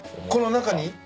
この中に？